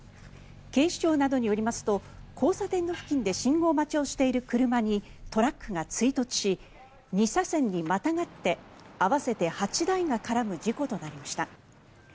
警視庁などによりますと交差点の付近で信号待ちをしている車にトラックが追突し２車線にまたがって合わせて８台が絡む事故となりました。